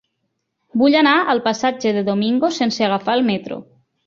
Vull anar al passatge de Domingo sense agafar el metro.